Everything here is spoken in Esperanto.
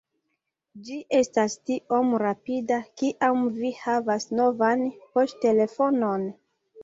Ĝi estas tiom rapida kiam vi havas novan poŝtelefonon